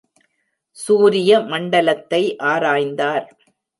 சூரிய மண்டலத்தை ஆராய்ந்தார்.